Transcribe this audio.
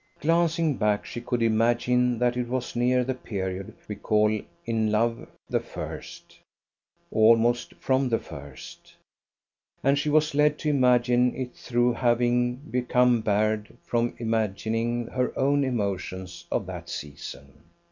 Glancing back, she could imagine that it was near the period we call in love the first almost from the first. And she was led to imagine it through having become barred from imagining her own emotions of that season.